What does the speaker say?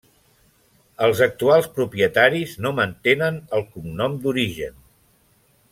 Els actuals propietaris no mantenen el cognom d'origen.